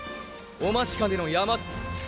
おまちかねの山だ！！